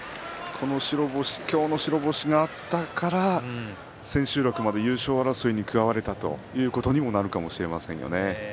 今日の白星があったから千秋楽まで優勝争いに加われたということになるかもしれませんね。